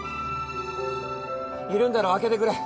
いるんだろ開けてくれ。